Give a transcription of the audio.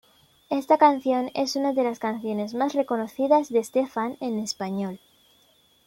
Esta canción es una de las canciones más reconocidas de Estefan en español.